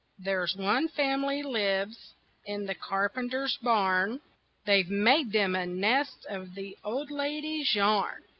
There's one family lives in the carpenter's barn; They've made them a nest of the old lady's yarn.